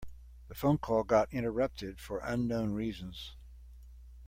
The phone call got interrupted for unknown reasons.